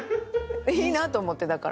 いいなと思ってだから。